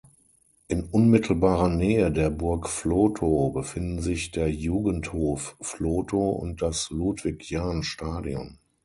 In unmittelbarer Nähe der Burg Vlotho befinden sich der Jugendhof Vlotho und das Ludwig-Jahn-Stadion.